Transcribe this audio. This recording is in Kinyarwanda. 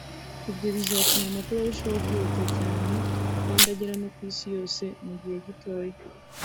Ibyo bizatuma amakuru arushaho kwihuta cyane kandi agera no ku isi yose mu gihe gitoya